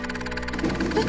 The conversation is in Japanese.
えっ。